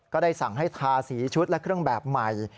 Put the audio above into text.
ก็ได้สั่งให้ทาสีชุดและเครื่องแบบใหม่